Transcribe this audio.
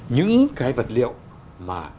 những cái vật liệu mà